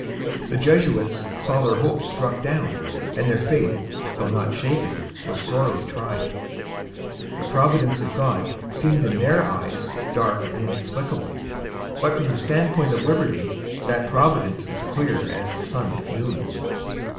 The Jesuits saw their hopes struck down; and their faith, though not shaken, was sorely tried. The Providence of God seemed in their eyes dark and inexplicable; but, from the stand point of Liberty, that Providence is clear as the sun at noon.